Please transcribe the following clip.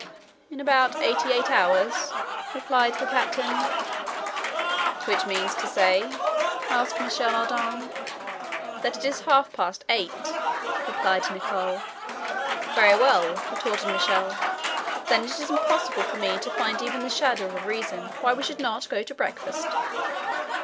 "In about eighty eight hours," replied the captain. "Which means to say?" asked Michel Ardan. "That it is half past eight," replied Nicholl. "Very well," retorted Michel; "then it is impossible for me to find even the shadow of a reason why we should not go to breakfast."